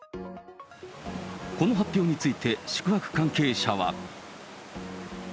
この発表について、宿泊関係者は。